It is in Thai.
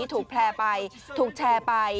ถูกแพร่ไปถูกแชร์ไป